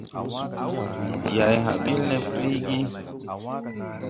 Ndi hay hã bil ne fruygi.